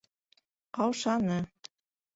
Ҡаушаны.